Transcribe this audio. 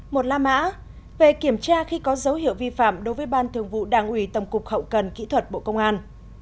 một la mã về kiểm tra khi có dấu hiệu vi phạm đối với ban thường vụ đảng ủy tổng cục hậu cần kỹ thuật bộ công an